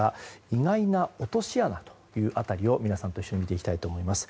意外な落とし穴という辺りを皆さんと一緒に見ていきます。